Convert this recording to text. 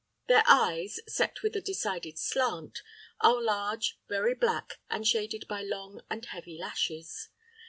* Their eyes, set with a decided slant, are large, very black, and shaded by long and heavy lashes.